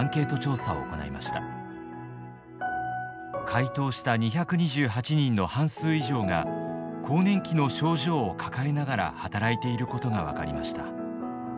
回答した２２８人の半数以上が更年期の症状を抱えながら働いていることが分かりました。